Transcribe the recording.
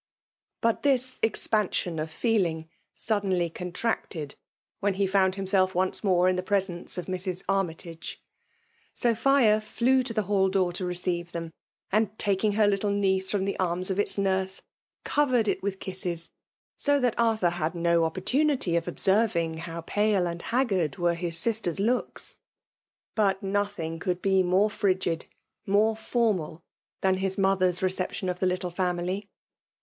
But this expansion of feeling suddenly con tracted when he found himself once more in presence of Mrs. Armytage. Sophia flew to the hall door to receive them ; and, taldng her little niece from the anns of its nurse, covered 288 FEMALE DOMINATION. it \rith kisses^ so that Arthur had no opportu nity of observing how pale and haggard were his sister*s looks ; but nothing could be more frigid, more formal, than his mother's reception of the little family.